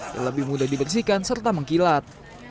yang lebih mudah dibersihkan serta mengkilat